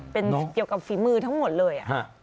เป็นเกี่ยวกับฝีมือทั้งหมดเลย